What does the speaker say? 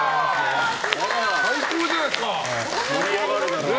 最高じゃないですか！